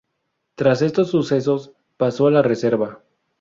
Tras estos sucesos pasó a la reserva.